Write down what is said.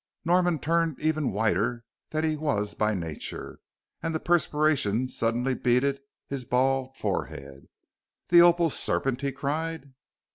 Norman turned even whiter than he was by nature, and the perspiration suddenly beaded his bald forehead. "The opal serpent!" he cried.